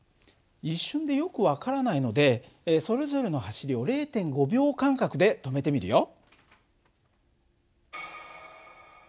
一瞬でよく分からないのでそれぞれの走りを０．５秒間隔で止めてみるよ。